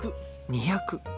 ２００。